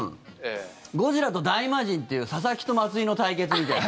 ゴジラと大魔神という佐々木と松井の対決みたいな。